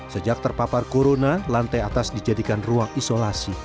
sejak terpapar corona lantai atas dijadikan ruang isolasi